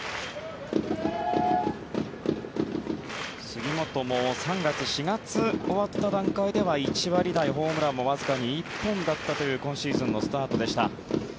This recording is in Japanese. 杉本も３月、４月終わった段階では１割台、ホームランもわずか１本だったという今シーズンのスタートでした。